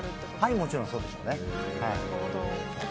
もちろん、そうでしょうね。